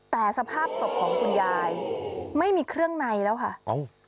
แต่สภาพศพของคุณยายไม่มีเครื่องในแล้วค่ะเอ้า